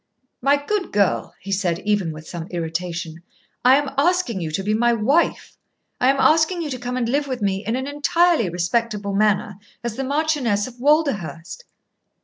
"My good girl," he said, even with some irritation, "I am asking you to be my wife. I am asking you to come and live with me in an entirely respectable manner, as the Marchioness of Walderhurst."